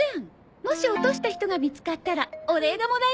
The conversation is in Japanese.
もし落とした人が見つかったらお礼がもらえるかもよ。